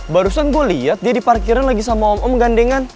barusan gue liat dia di parkiran lagi sama om om gandengan